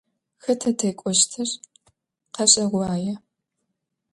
Хэта текӏощтыр? Къэшӏэгъуае.